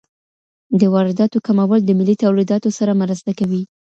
د وارداتو کمول د ملي تولیداتو سره مرسته کوي.